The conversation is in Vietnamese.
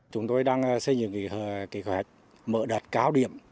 chúng tôi đang xây dựng kế hoạch mở đợt cao điểm